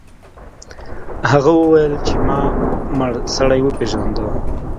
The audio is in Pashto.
هغه وویل چې ما مړ سړی وپیژنده.